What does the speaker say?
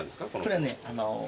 これはね。